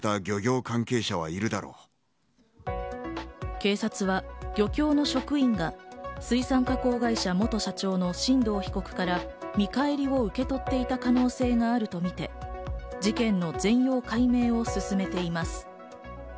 警察は漁協の職員が水産加工会社元社長の進藤被告から見返りを受け取っていた可能性があるとみて事件の全容解明を進めています。